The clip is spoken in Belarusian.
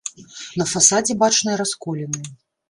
На фасадзе бачныя расколіны.